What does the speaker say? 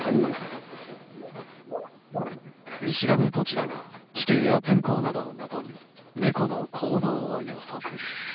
見知らぬ土地だが地形や天候などをもとに猫の行動を予測。